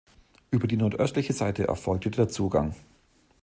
Über die nordöstliche Seite erfolgte der Zugang.